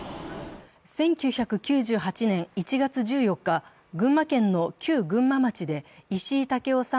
１９９８年１月１４日群馬県の旧群馬町で石井武夫さん